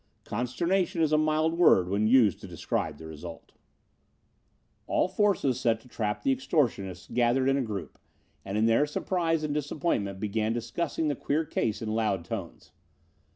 Consternation is a mild word when used to describe the result. All forces set to trap the extortionists gathered in a group, and in their surprise and disappointment began discussing the queer case in loud tones.